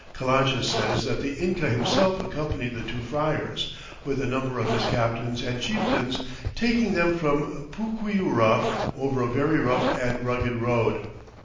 Calancha says that the Inca himself accompanied the two friars, with a number of his captains and chieftains, taking them from Puquiura over a very rough and rugged road.